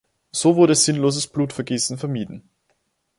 So wurde sinnloses Blutvergießen vermieden.